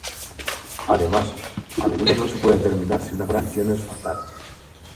Además, a menudo no se puede determinar si una condición es fatal.